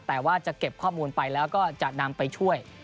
แต่ว่าจะเก็บข้อมูลไปแล้วก็จะนำไปช่วย